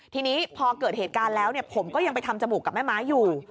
ทีนี้พอเกิดเหตุการณ์แล้วผมก็ยังไปทำจมูกกับแม่ไม้อยู่